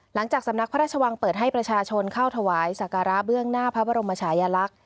สำนักพระราชวังเปิดให้ประชาชนเข้าถวายสักการะเบื้องหน้าพระบรมชายลักษณ์